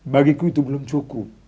bagiku itu belum cukup